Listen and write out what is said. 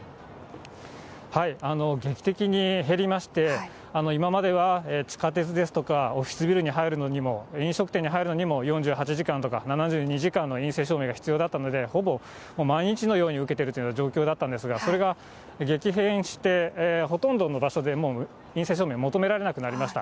劇的に減りまして、今までは地下鉄ですとか、オフィスビルに入るのにも、飲食店に入るのにも４８時間とか７２時間の陰性証明が必要だったので、ほぼ毎日のように受けているというような状況だったんですが、それが激変して、ほとんどの場所でもう陰性証明求められなくなりました。